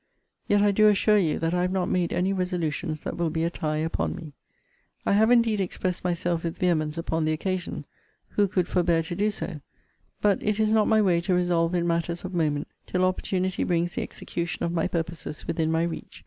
Yet I do assure you, that I have not made any resolutions that will be a tie upon me. I have indeed expressed myself with vehemence upon the occasion. Who could forbear to do so? But it is not my way to resolve in matters of moment, till opportunity brings the execution of my purposes within my reach.